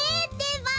ば。